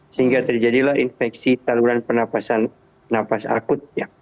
sehingga terjadilah infeksi saluran penafasan nafas akut